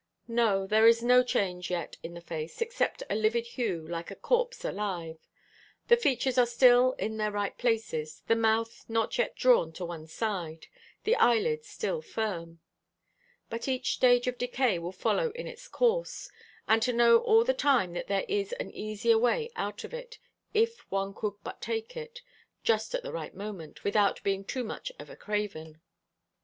"No, there is no change yet in the face, except a livid hue, like a corpse alive. The features are still in their right places, the mouth not yet drawn to one side; the eyelids still firm. But each stage of decay will follow in its course. And to know all the time that there is an easier way out of it, if one could but take it, just at the right moment, without being too much of a craven."